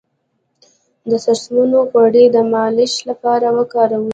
د سرسونو غوړي د مالش لپاره وکاروئ